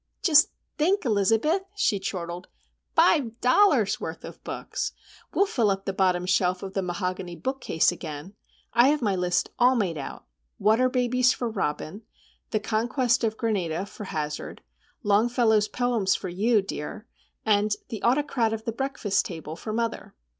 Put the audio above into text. "Just think, Elizabeth!" she chortled. "Five dollars' worth of books! We'll fill up the bottom shelf of the mahogany bookcase, again. I have my list all made out:—Water Babies, for Robin; The Conquest of Granada, for Hazard; Longfellow's poems for you, dear,—and The Autocrat of the Breakfast Table, for mother.